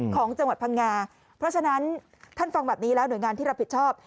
ของจังหวัดพังงาเพราะฉะนั้นท่านฟังแบบนี้แล้วหน่วยงานที่รับผิดชอบ